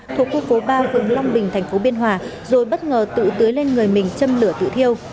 thuộc khu phố ba phường long bình thành phố biên hòa rồi bất ngờ tự tưới lên người mình châm lửa tự thiêu